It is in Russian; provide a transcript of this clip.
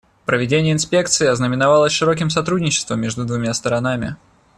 Проведение инспекции ознаменовалось широким сотрудничеством между двумя сторонами.